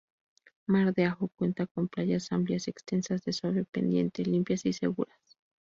Mar de Ajó cuenta con playas amplias, extensas, de suave pendiente, limpias, y seguras.